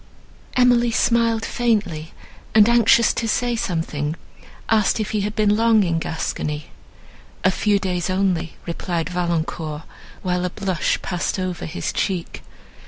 Emily smiled faintly, and, anxious to say something, asked if he had been long in Gascony. "A few days only," replied Valancourt, while a blush passed over his cheek.